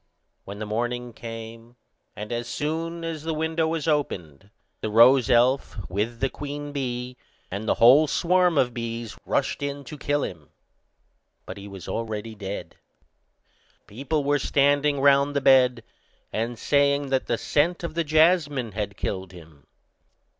When the morning came, and as soon as the window was opened, the rose elf, with the queen bee, and the whole swarm of bees, rushed in to kill him. But he was already dead. People were standing round the bed, and saying that the scent of the jasmine had killed him.